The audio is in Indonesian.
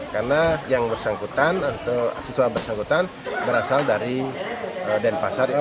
karena yang bersangkutan atau siswa bersangkutan berasal dari denpasar